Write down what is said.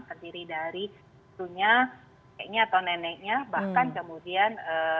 terdiri dari usia atau neneknya bahkan kemudian